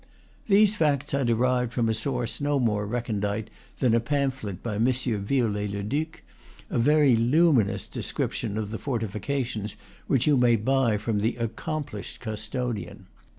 These facts I derived from a source no more recondite than a pamphlet by M. Viollet le Duc, a very luminous description of the fortifications, which you may buy from the accomplished custodian.